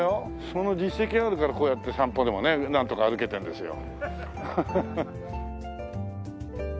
その実績があるからこうやって散歩でもねなんとか歩けてるんですよ。